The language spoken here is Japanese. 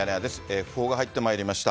訃報が入ってまいりました。